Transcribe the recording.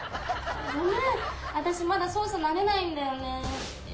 ごめん、私まだ操作、慣れないんだよね。